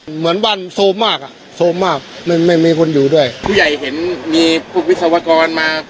เหมือนบ้านโซมมากอ่ะโซมมากไม่ไม่มีคนอยู่ด้วยผู้ใหญ่เห็นมีพวกวิศวกรมา